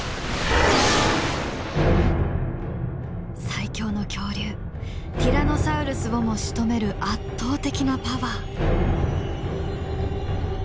最強の恐竜ティラノサウルスをもしとめる圧倒的なパワー。